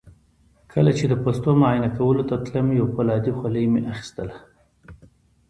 کله چې د پوستو معاینه کولو ته تلم یو فولادي خولۍ مې اخیستله.